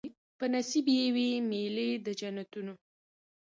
په نصیب یې وي مېلې د جنتونو